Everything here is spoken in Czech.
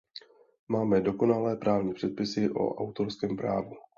Máme dokonalé právní předpisy o autorském právu.